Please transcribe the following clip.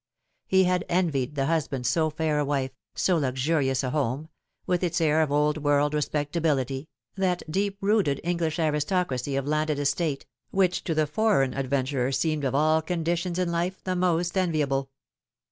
He had envied the husband so fair a wife, so luxurious a home, with its air of old world respectability, that deep rooted English aristocracy of landed estate, which to the foreign adventurer seemed of all conditions in life the most enviable.